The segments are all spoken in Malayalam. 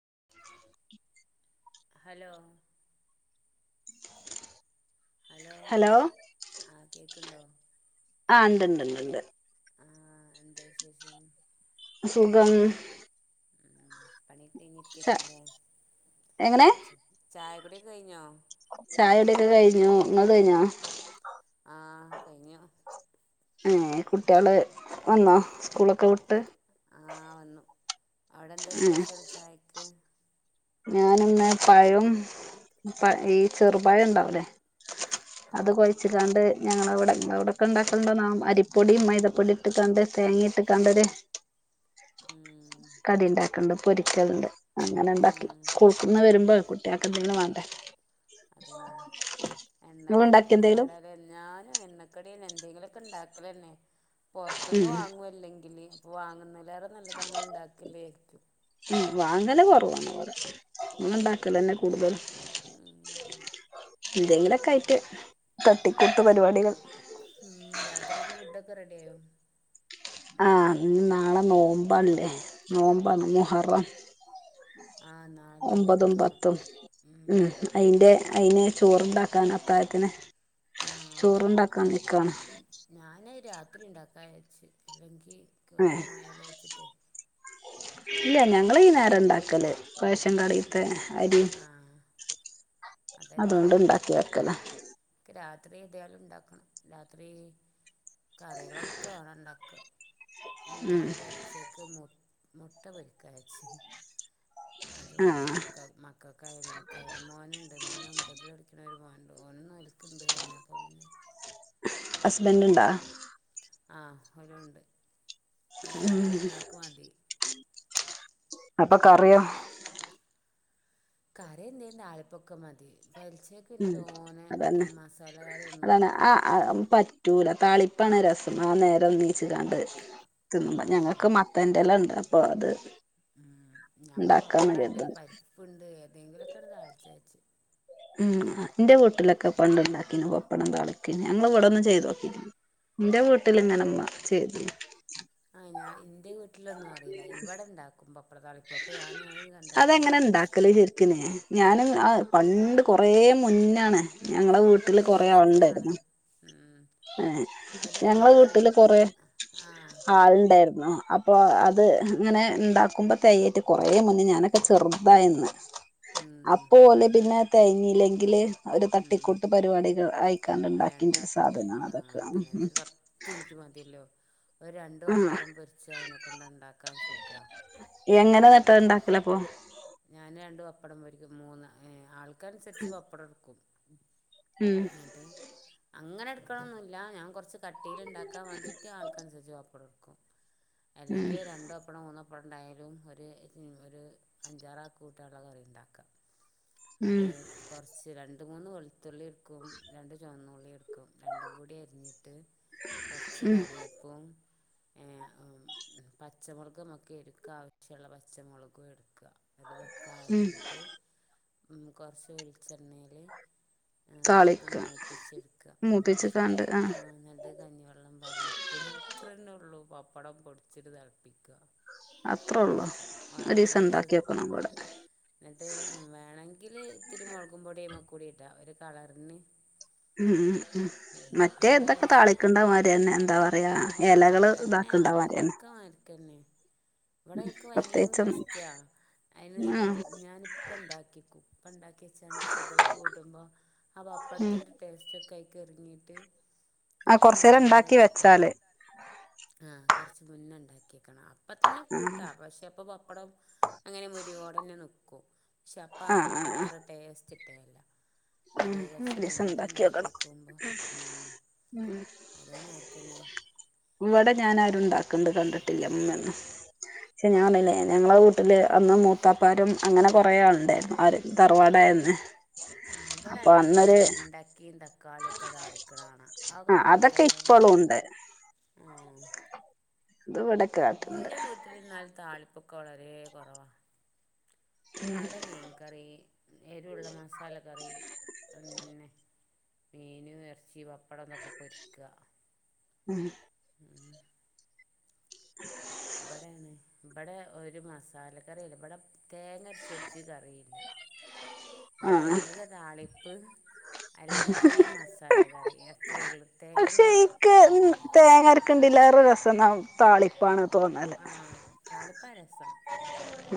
ഉ [unintelligible] ഹലോ ഹലോ ആ കേക്കുണ്ടോ ആ് ഉണ്ട് ഉണ്ട് ഉണ്ട് ഉണ്ട് ആഹ എന്താശേഷം സുഗം പണി കഴിഞ്ഞിരിക്കരിക്കലേ ചായ കൂടി കഴിഞ്ഞോ ചായടൊക്കെ കഴിഞ്ഞു ഒന്നത് കഴിഞ്ഞോ ആഹ കഴിഞ്ഞു ഏർ കുട്ടികള് വന്നോ സ്കൂളൊക്കെ വിട്ട് ആ വന്നു അവിടെ എന്ത ഏ സ്പെഷ്യൽ ചായക്ക് ഞാനിന്ന് പായം ഈ ചെറുപായം ഉണ്ടാവലേ ആ അത് കൊഴച്ചിട്ടാണ്ട് ഞങ്ങളവിടെ അവിടെൊക്കെ ഉണ്ടാക്കുന്നുണ്ടോ ന അരിപ്പൊടിിയ മൈദപ്പൊടി ഇട്ട് കണ്ട് തേങ്ങി ഇട്ട് കണ്ടൊര് ഉം കടി ഉണ്ടാക്കണ്ട് പൊരിക്കലണ്ട് അങ്ങനെ ഉണ്ടാക്കി ഉം സ്കൂൾക്ക നിന്ന് വരുമ്പോ കുട്ടിയക്കെണ വണ്ട അതന്നെ ഇങ്ങള് എണ്ണക്കടൊക്കെ ഉണ്ടാക്കിയോ എന്തേലും കേടാല എന്നാനും എണ്ണക്കട എ ഉണ്ടലെ ഉം പുറത്തൊന്നന്ന് വാങ്ങല്ലെങ്കിൽ വാങ്ങ വളേറെ നല്ല നമ്മൾ ഉണ്ടാക്കില്ലേ ഏറ്റും ഉ വാങ്ങല കുറവാാണ് പോഓരെ ഇ ഇണ്ടാക്കലന്നെ കൂടുതൽ ഉം എന്തെങ്കിലൊക്കെ ആയിട്ട് തട്ടിക്കൂട്ട പരിപാടികൾ ഉം രാത്രിക്ക് ഫുഡ ഒക്കെ റെഡി ആയ ആ ഇ നാളെ നോമ്പാല്ലേ നോമ്പാ മോഹറ ആഹ് നാളെ നോമ്പ് ഒമ്പതും നോൽക്കണം പത്തും ഉം അയിന്റെ അയിന് ചോറ് ഇണ്ടാക്കാൻ അത്തായത്തിന് ആഹ് ചോറ് ഇണ്ടാക്കാൻ നിക്കാണ് നത് രാത്രി ഉണ്ടാക്കായാര്ച്ച് അല്ലെങ്കി ഏഹ് കേടെന്നോയാലോ വെച്ചിട്ടേ ഇല്ല ഞങ്ങള് ഈ നേരം ഇണ്ടാക്കല് റേഷൻ കടയിത്തെ അരി ആഹ് അതന്നെ അതുകൊണ്ട് ഇണ്ടാക്കി വെക്കലാ രാത്രി എത്യാലും ഉണ്ടാക്കണം രാത്രി കറികളൊക്കെ വേണണ്ടാക്ക ഉം ഞാൻ പെൽച്ചക്ക് മു മുട്ട പൊരിക്കാ വിജാര്ച്ച് അത് മതി ആഹ് മക്ക മക്കൾക്കായാലും ഇൻക്കായാലും മോന്ണ്ട് മോന് ഒൻപതിൽ പഠിക്ണ ഒരു മോൻ ണ്ട്. ഓനും നോൽക്ണ്ട് പറഞ്ഞ് അപ്പപിന്നെ ഹസ്ബൻഡ് ഇണ്ടാ ആഹ് ഓലൂണ്ട് ആഹ് അപ്പ ഞങ്ങക്ക് മൂന്നാക്ക് മതി അപ്പൊ കറിയോ കറി എന്തേം താളിപ്പൊക്കെ മതി പെൽച്ചക്ക് പിന്നെ ഉം തോനെ അതന്നെ മസാലകറിയൊന്നും അതാണ് പറ്റൂല ആ പറ്റൂല താളിപ്പാണ് രസം ആ നേരം നീച്ച്കാണ്ട് ആള് തിന്നുമ്പം തന്നെ ഞങ്ങൾക്ക് മത്തന്റെല ഇണ്ട് പ്പൊ അത് ഉം ഞാൻ ബടെ ഉണ്ടാക്കാന്ന് പപ്പടണ്ട് കരുതാണ് പരിപ്പ്ണ്ട് ഏതെങ്കിലൊക്കേണ്ട് താൾചാരാച്ച് ഉം എന്റെ വീട്ടിലൊക്കെ പണ്ട് ഉണ്ടാക്കിന് വപ്പടം താളിക്ക്ണ ഞങ്ങൾ ഇവിടോന്നും ചെയ്തു നോക്കിട്ട്ല്ല ഇന്റെ വീട്ടിലിങ്ങനെമ്മ ചെയ്തീനി ആ ഞാൻ ഇന്റെ വീ ട്ടില്ലൊന്നും അറില്ല. ഇവിടെ ഇണ്ടാക്കും ബപ്പടത്താളിപ്പ്. അപ്പം ഞാന് അത് കണ്ടാട്ട് ഇങ്ങനെ പഠിച്ച് ആഹ് പണ്ട് കൊറേ മുന്നാണ്. ഞങ്ങളെ പക്ഷെ നല്ല വീട്ടില് കൊറേ ആള് ടേസ്റ്റാണ് ഉണ്ടായിരുന്നു ഉം ഏഹ് ഒരു ഞങ്ങള രണ്ട് വെളു വീട്ടില് കൊറെ ആ ആള്ണ്ടാ യിരുന്നു. അപ്പൊ അത് ഇങ്ങനെ ഇണ്ടാക്കുമ്പോ തെയേയ്ട്ട് കൊറെ മുന്നേ ഞാനൊക്കെ ചെറുതായന്ന് ഉം അപ്പോല് പിന്നെ തെയ്ഞ്ഞീല്ലെങ്കില് ഒരു ഉം തട്ടിക്കൂട്ട് പരിപാടികൾ അയി കാണ്ട് ഉണ്ടാക്കിന്യ വേണ്ടാക്കൂലേ സാധനാണ് ആ അതൊക്കെ അതന്നെ ഇതൊരു പത്ത് മിനിറ്റ് [inaudible] ഒരു രണ്ടു ഉം ബപ്പടം പൊരിച്ച അയിനെ കൊണ്ട് ഉണ്ടാക്കാൻ സുഖാ എങ്ങനെ ന്നട്ടാ ഇണ്ടാക്കലപ്പോ ഞാന് രണ്ടു ബപ്പടം പൊരിക്കും മൂന്ന് ഏ ആൾക്ക് അനുസരിച്ച് ബപ്പടം ഇടുക്കും ഉം എന്നിട്ട് അങ്ങനെ എടുക്കണൊന്നുല്ല ഞാൻ കൊറച്ച് ക ട്ടിയിൽ ഉണ്ടാക്കാൻ വേണ്ടിണ്ട് ആൾക്കനുസരിച്ച് ബപ്പടം ഇ അല്ലെങ്കിൽ രണ്ട് ബപ്പടം മൂന്നപ്പടം ഉണ്ടായാലും ഒര് ഒര് അഞ്ചാറ് ആൾക്ക് കൂട്ടാൻ ഉള്ള കറി ഇണ്ടാക്കാ ഉം അത് കുറച്ച് രണ്ട് മൂന്ന് വെൾ ത്തുള്ളി എടുക്കും രണ്ട് ചൊമന്നു ക്കും രണ്ടും കൂടി അരിഞ്ഞിട്ട് കുറച്ച് ഉം കറിവേപ്പും ഏഹ് അം പച്ചമുളക് നമക്ക് എരുക്ക് ആവശ്യള്ള പച്ചമുളകും എടുക്ക ഇന്നട്ട് ഇതൊക്കെ ഉം അരിഞ്ഞിട്ട് കുറച്ച് വെളിച്ചണ്ണേല് താളിക് മൂപ്പിച്ചെടുക്ക. മൂപ്പിച്ചിട്ട് ആ ആഹ് ഇന്നട്ട് കഞ്ഞിവെള്ളം പാർന്ന് ഉപ്പിട. ഇത്രന്നെ ഉള്ളൂ ബ പ്പടം പൊടിച്ച്ട്ട് തിളപ്പിക്ക അത്ര ഒള്ളൂ. ഒരീസം ഉണ്ടാക്കിയോക്കണം ഇവടെ ഇന്നട്ട് വേണെങ്കില് ഇത്തിരി മൊളകുംപൊടി അയ്മ്മ കൂടി ഇടാ ഒരു കളറിന് ഉം ഉം മറ്റേ നല്ല ഇതൊക്ക രസാ താളിക്ണ്ട മായിര്യന്നെ എന്താ പ റയാ ആഹ് എലകള് അതന്നെ ഇതാക്ണ്ടാ മാര്യ ന്നെ അതൊക്കെ മാരിക്കന്നെ ഇവിടെ ഇൻക്ക് ഭയങ്കര ഇഷ്റ്റാ അയിന് ആഹ് ഞാനിപ്പം ഇണ്ടാക്കിയേക്കും ഇപ്പം ഇണ്ടാക്കിയെച്ചാണ്ട് സുബയ്ക്ക് കൂട്ടുമ്പോ ആ ബ ഉം പ്പടത്തിന്റെ ടേസ്റ്റ് ഒക്കെ അയ്ക്ക് എറങ്ങിട്ട് ആഹ് കൊറച്ചേരം ഇണ്ടാക്കി വെച്ചാല് ആഹ് കൊറച്ച് മുന്നേ ഇണ്ടാക്കിയേക്കണം അപ്പത്തന്നെ കൂട്ടാ പക്ഷെ അപ്പൊ ബപ്പടം അങ്ങനെ മുരിവോടന്നെ നിക്കും ശപ്പ ആഹ് ആഹ് ഇൻക്കത്ര ടേസ്റ്റിട്ടേല ആഹ് അത് ഉം കൊറച്ച് ഒരീസം മുന്നേ ഇണ്ടാക്കിയോക്കണം ണ്ടാക്ക്യക്കുമ്പോ ഉം ഉം അതേമാരിക്കെന്നെ ഇവിടെ ഞാൻ ആരുണ്ടാക്കണ്ട് കണ്ടിട്ടില്ലമ്മ ന്നും ക്ഷേ ഞാർഞ്ഞില്ലേ ഞങ്ങളെ വീട്ടില് അന്ന് മൂത്താപ്പാരും അങ്ങനെ കൊറെ ആൾണ്ടായിരുന്നു ആര് തറവാടായി പിന്നെ ആ വടെ അതേപോലെ വെണ്ടക്കിം തക്കാള്യൊക്കെ താളിക്കണാണ ആ അതൊക്കെ ഇപ്പോളുണ്ട് ആഹ് അത് ഇവടക്കട്ട്ണ്ട് ഇന്റെ വീട്ടില് എന്നാൽ താളിപ്പൊക്കെ വളരെ കൊറവാ അട മീൻകറി എരുള്ള മസാല കറി പിന്നെ മീനും എർച്ചിം പപ്പടം ഒന്നൊക്കെ പൊരിക ഉം ഉ ഇവിടെണ് ഇവിടെ ഒരു മസാലക്കറി ഇവിടെ തേങ്ങ അരച്ചൊരു കറില്ല [inaudible] ആ ഇവിടെ ഒന്നങ്കി താളിപ്പ് അല്ലെങ്കില് മസാല കറി അത്രളളു തേങ്ങരച്ച [unintelligible] ക്കതിലേറെ രസം ന്ന താളിപ്പാണ് തോന്നല് പ്പ രസം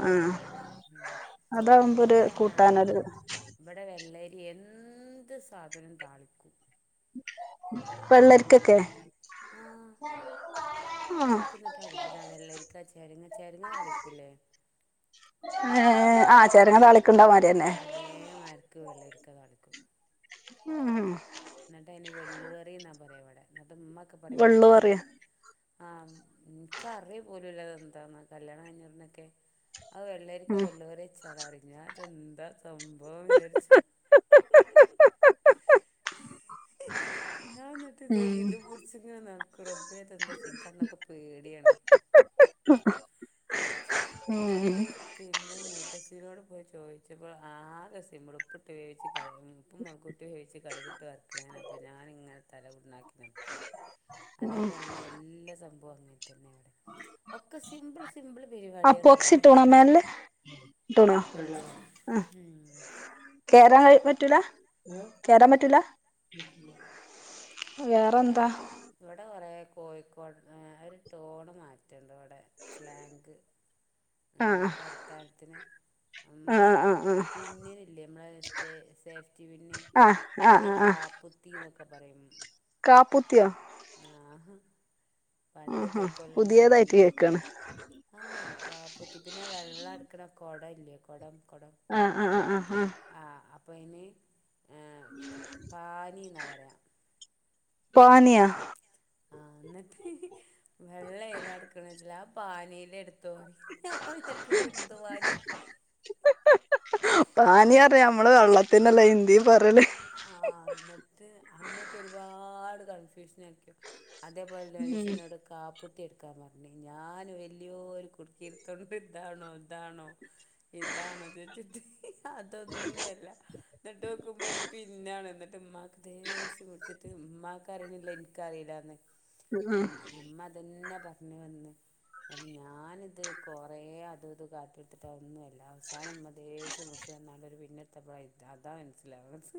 ആ അതാവുമ്പോരു കൂട്ടാനൊരു ള്ളേരി എന്ത് സാധനും താളിക്കും വെള്ളരിക്കൊക്കെ ആ ആ ഇൻക്ക്ങ്ങട്ടൽഭുതാ വെള്ളരി ക്ക ചെരിങ്ങ ചെരങ്ങ തളിക്കൂല്ലേ ഏ ആ ചെരങ്ങാ താളി അതേമാരിക്ക് വെള്ളരിക്ക താളിക്കും ഉം എന്നിട്ട് അയ്ന് വെള്ളുകറി ന്നാ പറ്യാ വടെ ന്നട്ട് ഇമ്മൊക്കെ പറിം വെള്ളു ബട്‌ത്തെ ഇമ്മക്കെ പറയും പറിം ആ ഇൻക്കറ്യ പോലൂല്ല അതെന്താന്ന് കല്യാണം കഴിഞ്ഞുടനൊക്കെ ആ വെള്ളേക്ക ഉം വെള്ളുകറി വെച്ച് ച്ചാളാ റിം ഞാ തെന്താ സംഭവം വിചാര്ച്ചു ഞാൻ ന്നട്ട് ഇത് ഉം ഇത് പുട് ച്ച്ങ്ങനെ നടക്കും റബ്ബേ ഇതെന്തൊ ചെ ഇൻക്കന്നൊക്കെ പേട്യാണ് ഉം ന്നട്ട് പിന്നെ മു ത്തച്ചീനോട് പോയി ചോയ്ച്ചപ്പോ ആകെ സിംപിള് മുളപ്പിട്ട് വേവിച്ച് കടകും ഉപ്പും മൊളക്കിട്ട് വേവിച്ച് കടകിട്ട് വർ ത്‌ങ്ങനെപ്പൊ ഞാനിങ്ങനെ തല പുണ്ണാക്കി നിൽക്ക്ണെ അതേപോലെന്നെ എല്ലാ സംഭവും അങ്ങൻ തന്നെവടെ ഒക്കെ സിമ്പിൾ സി അപ്പോക്സിട്ട്ണൊ മേല്‌ല് ട്ട്ണോ അ ഉം കേറാൻ പറ്റൂല കേറാൻ പറ്റൂല വേറെന്താ വടെ ഇവടെ കൊറേ കോഴിക്കോട് ഒര് ടോണ് മാ റ്റണ്ട് വടെ സ്ലാങ്ക് ആ ഉം വർത്താനത്തിന് അമ്മ ആ ആ ആ പിന്നില്ലേ നമ്മളെ സ്‌റ്റേ സേഫ്റ്റി പിന്ന് ആ ആ അയ്ന് ആ കാപുത്തീനൊക്ക പറയും കാപ്പുത്ത്യൊ ആ ആഹാ പുതിയതായിട്ട് കേക്കയാണ് ആ കാപ്പുത്തി പിന്നെ വെള്ള ട്ക്കണ കൊടല്ലേ കൊടം ആ ആ ആ ആ ആ പ്പയ്ന് പാനി ന്നാ പറയാ പാന്യാ ആ എന്നട്ട് വെള്ളെയ്‌ലാട്ക്ക്ണെ ച്ചാല് ആ പാനീലെട് തോ ഞാപ്പം വിചാരിക്കും ഇതെന്തുവാന്ന് നമ്മളെ വെള്ളത്തിനല്ല ഇിന്ദി പറയല് ആ എന്നിട്ട് അന്നൊക്കെ ഒരുപാട് കൺഫ്യൂഷൻ അതേപോലെ ഉം നോരീസന്നോട് കാപ് കുടുക്കെടുക്കാൻ പറഞ് ഞാൻ വല്യേരു കുടുക്കിടുതൊടുന്ന് ഇതാണോ ഇതാണോ ഇതാണോ ചോച്ചിട്ട് ഹ് ഹെ അതൊന്നുംല്ല എന്നിട്ടൊക്കുമ്പോ ഒരു പിന്നാണ് എന്നിട്ട് ഉമ്മാക്ക് ദേഷം പിടിച്ചിട്ട് ഉമ്മാക്കറിയിണില്ല എനിക്കറിയിലാന്ന് ഉം ഉ ഇമ്മതന്നെ പറഞ്ഞു വന്ന് അത് ഞാനിത് കൊറേ അതുംത് കാത്തികൊടുത്തിട്ട് അതൊന്നുല്ല അവസാനം മ്മദേഷ്യം പിടിച് വന്നാണ്ടൊരു പിന്നെത്തപ്പോഇത് അതാ മനസ്സിലാവണത്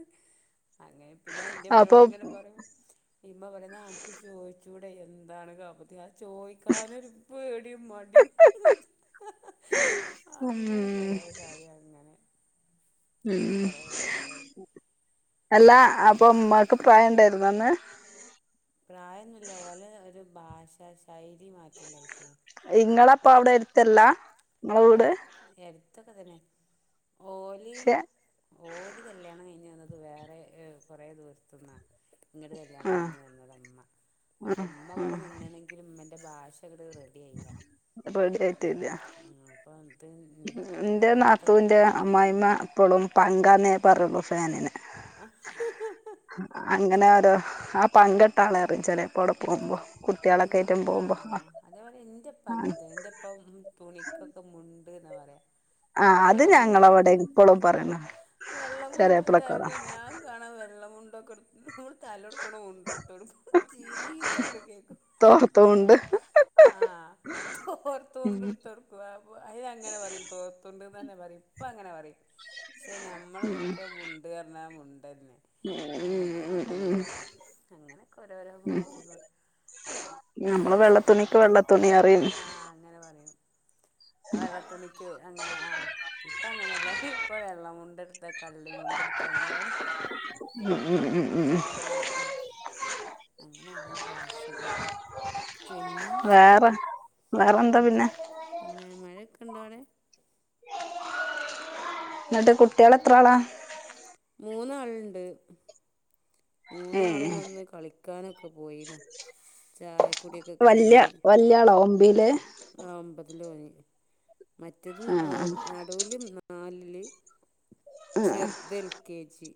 അങ്ങനെ പിന്നെ അപ്പൊ എന്റെമ്മനോട് ഇങ്ങനെ പറയും മ്മ പറയാ ന്നനക്ക് ചോദിച്ചു ചൂടെ എന്താണ് കാപ്പത്തി ചോയിക്കാനൊരു പേടിയും മടിയു ഉം അങ്ങനെ കൊറേ കാര്യ അങ്ങനെ ഇപ്പൊ കൊറേ ലെവലായി അല്ലാ അപ്പൊ ഉമ്മാക്ക് പ്രായം ഇണ്ടായിരുന്നോ ന്നന്ന് പ്രായൊന്നുല്ല ഓലെ ഒരു ഭാഷാശൈലി മാറ്റണ്ടായിറ്റേ ഇപ്പൊ അവിടെ എരുത്തല്ലാ ങ്ങളെ വീട് ഇതൊക്കെതന്നെ ഓലി പക്ഷെ ഓല് കല്യാണം കഴിഞ്ഞ വന്നത് വേറെ ഇ കുറേ ദൂരത്ത്ന്നാ ഇങ്ങട്‌ കല്യാണം ആ കഴിഞ്ഞ് വന്നതാമ്മ അപ്പൊ ഉമ്മ ആ അവിടെ നിന്നണെങ്കിലും ഉമ്മന്റെ ഭാഷ ങ്ങട് റെഡി ആയില അപ്പം ഇത് ന്റെ മൂത്ത നാത്തൂന്റെ അമ്മായിമ്മ എപ്പളും പങ്കാന്നേ പറയുള്ളു ഫാനിന് അങ്ങനെ ഒരു ആ പങ്കട്ടാണ് റിയും ചിലേപ്പോ അവിടെ പോവുമ്പോ മ് ആ അതേപോലെ ഇന്റപ്പ അങ്ങനത്തെ ഇന്റപ്പ തുണിക്കൊക്കെ മുണ്ട് ന്നാ പറയാ ആ ഇവിടെ അത് ഞങ്ങളവിടെ ഇപ്പളും പറയണ ചെറിയപ്പളൊക്കെ വെള്ളമുണ്ട്ടുത്താലപ്പ പറയും ഞാൻ കാണാ വെള്ളമുണ്ട് കൊട്ത്ത് നമ്മൾ തലോക്കണ മുണ്ട്ട്‌തൊടുക്കും ചീത്തങ്കട് കേക്കും തോർത്തുമുണ്ട് ഹ് ഹ് ഹ് ആഹ് തോർത്തു മുണ്ടെടുത്ത്ടുക്കും ആ അത്ങ്ങനെ പറയും തോർതുണ്ട് നന്നെ പറയിം ഇപ്പങ്ങനെ പറയും പക്ഷെ നമ്മളൊക്കെ മുണ്ട്പറഞ്ഞ മുൻ മറ്റേന് ഉം തുണിയാ ഉം പറയാ അങ്ങനെയൊക്കെ ഓരോരോ മാറ്റങ്ങൾ നമ്മള് വെള്ളത്തുണിക്ക് വെള്ളത്തുണി റിയും ആ വെള്ളത്തുണിക്ക് അങ്ങനെ ആഹ് ഇപ്പ അങ്ങനെയല്ലാ ഇപ്പ വെള്ളമു ണ്ടെടുത്തക്ക കള്ളി മുണ്ടെടുത്ത അങ്ങനെ പറയ ഉം ഉം ഉം ഉ അങ്ങനെ ഓരോ ഭാഷകൾ പിന്നെ വേറെ വേറെന്താ പിന്നെ ണ്ടോവടെ ന്നിട്ട് കുട്ടികൾ എത്ര ആളാ മൂന്നാളുണ്ട് ഏ മൂന്നാളും വന്ന് കളിക്കാനൊക്കെ പോയിന ചായക്കൂടിക്കെ വല്യ കഴിഞ്ഞ് വല്യ ആളോ ഒമ്പയില് ആ ഒമ്പതിലോന് മറ്റതും ഏ ആ എ നടൂൽ നാലിൽ ചെറുത് എൽ കെ ജി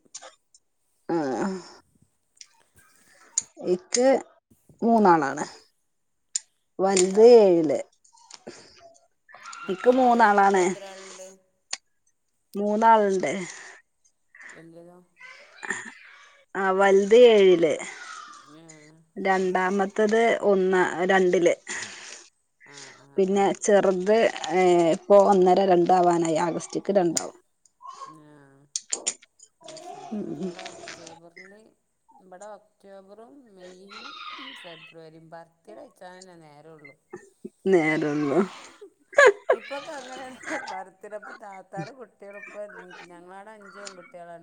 ആഹ് ഇക്ക് മൂന്നാളാണ് ഏ വല്ത് ഏഴില് [inaudible] ഇക്ക് മക്കൾ അവിടെ മൂന്നാളാണ് മക്കളെത്രാളുണ്ട് മൂന്നാളുണ്ട് വല്യേതോ ആ വലുത് ഏഴില് രണ്ടാമത്തത് ഒന്ന് രണ്ടില് ആ ആ ആ പിന്നെ ആ ചെറുത് ഇപ്പോ ഒന്നര രണ്ടാവാനായി ആഗസ്റ്റക്ക് രണ്ടാവും ആഹ അ ശരി നമ്മടെ ഒക്ടോബറില് ഇവിടെ ഒക്ടോബറും മെയും ഫെബ്രുവരിയും ബർത്ത്ഡേ കയിച്ചാനെന്നെ നേരം നേരംന്നോ ഇപ്പൊക്കെ അങ്ങനെയാണ് ബർത്തീടെ താത്താരെ കുട്ടികൾ ഇപ്പ ഞങ്ങളടെ അഞ്ചും കുട്ടികള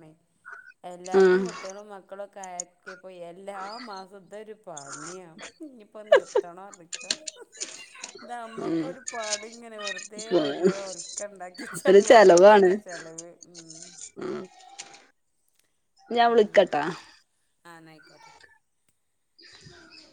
ആ എല്ലാർക്കും കുട്ടികളും മക്കളോ [unintelligible] എല്ലാ മാസത്തെ ഒരു പാടണിയാണ് ഇനിയിപ്പ നിർത്തണം ഇതൊക്കെ ഇത് ഉം. അമ്മക്കൊരു പാടാ അവിടെ ഇങ്ങനെ വെറുതെയോ എല്ലോ ഒൽക്ക ഉണ്ടാക്കി ഒരു ചടു അമ്മക്ക്ന്നെ ചെലവ് ഉ ഞാൻ വിളിക്കട്ടാ ആ ന ആയിക്കോട്ടെ ആ